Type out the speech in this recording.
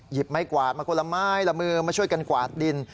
ไม้กวาดมาคนละไม้ละมือมาช่วยกันกวาดดิน